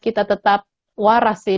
kita tetap waras sih